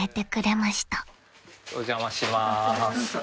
お邪魔しまーす。